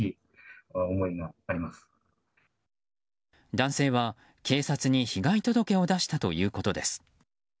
男性は警察に被害届を出したということです。